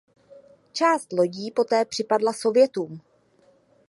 Část lodí poté připadla Sovětům.